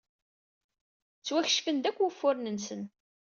Ttwakecfen-d akk wufuren-nsen.